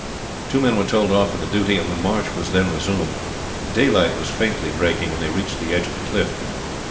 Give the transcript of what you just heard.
Two men were told off for the duty, and the march was then resumed. Daylight was faintly breaking when they reached the edge of the cliff.